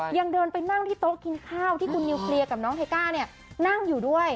ยังเดินไปนั่งที่โต๊ะกินข้าวที่คุณนิวเคลียร์กับน้องไทก้าเนี่ยนั่งอยู่ด้วย